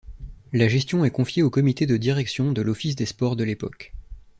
La gestion est confiée aux comités de direction de l’office des sports de l’époque.